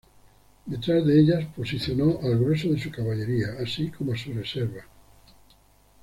Detrás de ellas posicionó al grueso de su caballería así como a sus reservas.